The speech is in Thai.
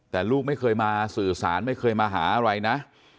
แต่ลูกไม่เคยมาสื่อสารไม่เคยมาหาอะไรนะ